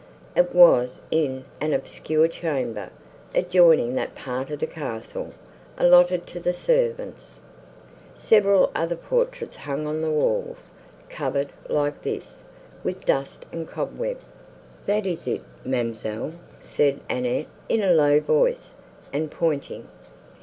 It was in an obscure chamber, adjoining that part of the castle, allotted to the servants. Several other portraits hung on the walls, covered, like this, with dust and cobweb. "That is it, ma'amselle," said Annette, in a low voice, and pointing.